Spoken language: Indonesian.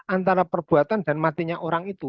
antara perbuatan dan matinya orang itu